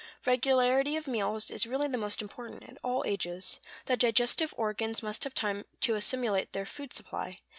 Regularity of meals is really most important at all ages; the digestive organs must have time to assimilate their food supply.